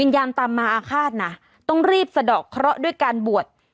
ยามตามมาอาฆาตนะต้องรีบสะดอกเคราะห์ด้วยการบวช